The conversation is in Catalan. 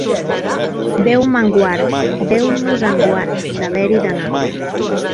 Déu me'n guard, Déu nos en guard, d'haver-hi d'anar.